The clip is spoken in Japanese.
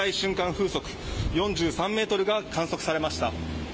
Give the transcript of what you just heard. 風速４３メートルが観測されました。